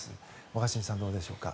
若新さん、どうでしょうか。